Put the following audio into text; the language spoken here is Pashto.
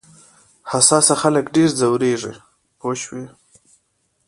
حساس خلک ډېر ځورېږي پوه شوې!.